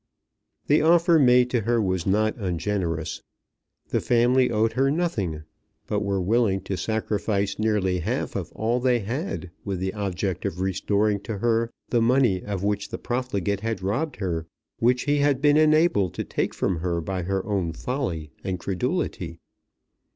The offer made to her was not ungenerous. The family owed her nothing, but were willing to sacrifice nearly half of all they had with the object of restoring to her the money of which the profligate had robbed her, which he had been enabled to take from her by her own folly and credulity.